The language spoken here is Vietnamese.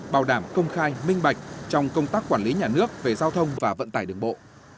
bảo đảm công khai minh bạch trong công tác quản lý nhà nước về giao thông và vận tải đường bộ